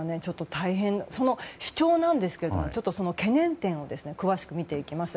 その主張なんですが懸念点を詳しく見ていきます。